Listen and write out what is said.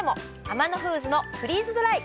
アマノフーズのフリーズドライ！